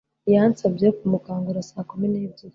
Yansabye kumukangura saa kumi n'ebyiri.